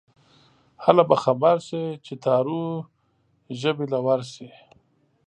هله به خبر شې چې تارو جبې له ورشې